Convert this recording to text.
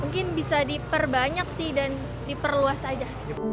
mungkin bisa diperbanyak sih dan diperluas aja